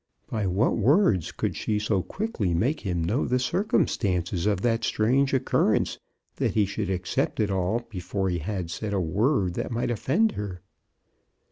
By what words could she so quickly make him know the circumstances of that strange occurrence that he should accept it all before he had said a word that might offend her?